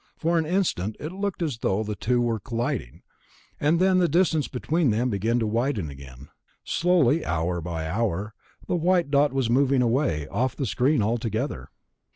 For an instant it looked as though the two were colliding ... and then the distance between them began to widen again. Slowly, hour by hour, the white dot was moving away, off the screen altogether....